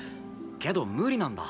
けど無理なんだ。